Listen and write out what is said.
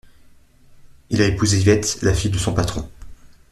Il a épousé Yvette, la fille de son patron.